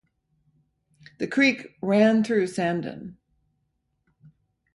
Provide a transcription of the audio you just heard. The Creek ran through Sandon.